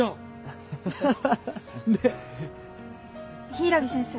柊木先生。